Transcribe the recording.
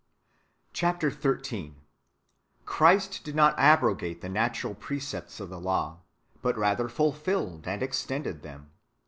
"^ Chap. xiii. — Christ did not abrogate the natural precepts of the law, hut rather fulfilled and extended them.